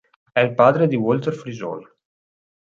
È il padre di Walter Frisoni.